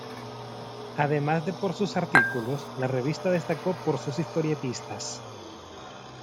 Además de por sus artículos, la revista destacó por sus historietistas.